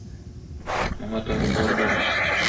Моңа дару бар барын.